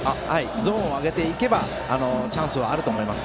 ゾーンを上げていけばチャンスはあると思います。